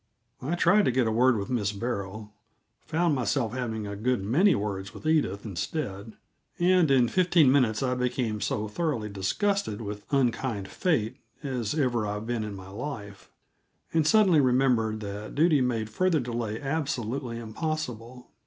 I tried to get a word with Miss Beryl, found myself having a good many words with Edith, instead, and in fifteen minutes I became as thoroughly disgusted with unkind fate as ever I've been in my life, and suddenly remembered that duty made further delay absolutely impossible.